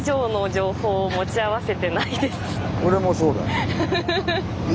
俺もそうだ。